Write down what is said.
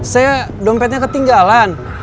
saya dompetnya ketinggalan